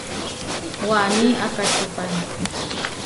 Waní akačúpai.